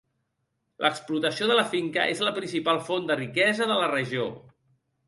L'explotació de la finca és la principal font de riquesa de la regió.